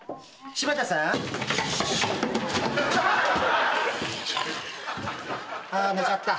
柴田さん。ねえ寝ちゃった。